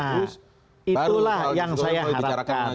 nah itulah yang saya harapkan